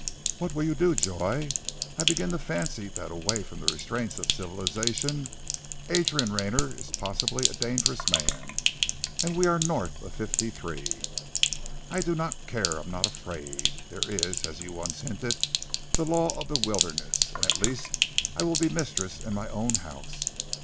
"What will you do, Joy? I begin to fancy that away from the restraints of civilization Adrian Rayner is possibly a dangerous man. And we are 'North of fifty three!'" "I do not care. I am not afraid. There is, as you once hinted, the law of the wilderness, and at least I will be mistress in my own house."